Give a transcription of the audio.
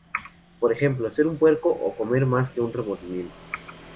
Por ejemplo: "Ser un puerco" o "comer más que un remordimiento.